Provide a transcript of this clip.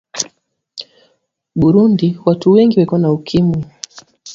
Burundi watu wengi weko na ukimwi